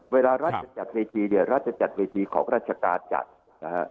เวลาราชจะจัดเวทีเนี่ยราชจะจัดเวทีของราชการจัดนะฮะ